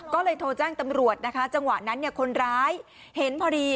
ก็เลยโทรแจ้งตำรวจนะคะจังหวะนั้นเนี่ยคนร้ายเห็นพอดี